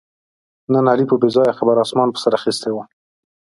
نن علي په بې ځایه خبره اسمان په سر اخیستی و